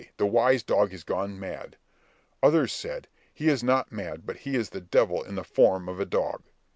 the wise dog is gone mad." Others said "he is not mad, but he is the devil in the form of a dog."